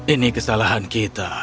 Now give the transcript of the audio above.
ini kesalahan kita